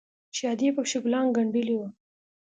چې ادې پکښې ګلان گنډلي وو.